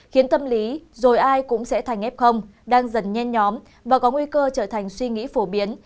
khiến tâm lý rồi ai cũng sẽ thành f đang dần nhen nhóm và có nguy cơ trở thành suy nghĩ phổ biến